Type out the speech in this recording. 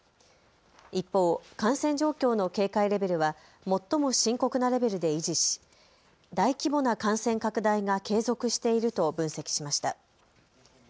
一方、感染状況の警戒レベルは最も深刻なレベルで維持し大規模な感染拡大が継続していると分析しました。